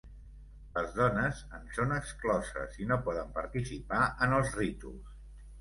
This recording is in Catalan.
Les dones en són excloses i no poden participar en els ritus.